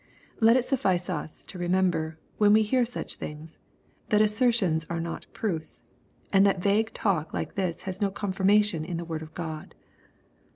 Let it suffice us to remember, when we hear such things, that assertions are not proofs, and that vague talk like this has no confirmation in the word of God.